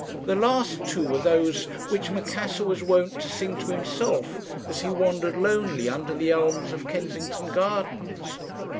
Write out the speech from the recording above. The last two were those which Macassar was wont to sing to himself, as he wandered lonely under the elms of Kensington Gardens.